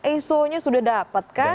iso nya sudah dapat kan